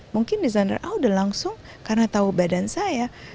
mungkin designer a udah langsung karena tahu badan saya